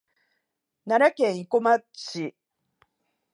奈良県生駒市